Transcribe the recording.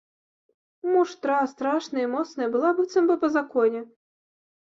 Муштра, страшная і моцная, была быццам бы па законе.